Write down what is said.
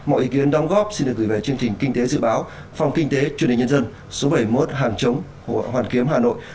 mọi ý kiến đóng góp xin được gửi về chương trình kinh tế dự báo phòng kinh tế truyền hình nhân dân số bảy mươi một hàng chống quận hoàn kiếm hà nội